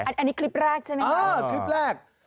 อันนี้คลิปแรกใช่ไหมคลิปแรก